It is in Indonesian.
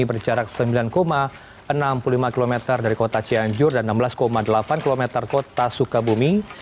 berjarak sembilan enam puluh lima km dari kota cianjur dan enam belas delapan km kota sukabumi